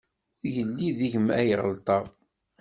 Ur yelli deg-m ay ɣelṭeɣ.